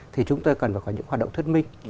thì chúng tôi cần phải có những hoạt động thuyết minh